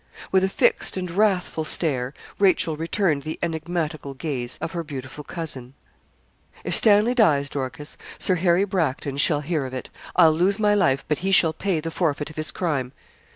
With a fixed and wrathful stare Rachel returned the enigmatical gaze of her beautiful cousin. 'If Stanley dies, Dorcas, Sir Harry Bracton shall hear of it. I'll lose my life, but he shall pay the forfeit of his crime.'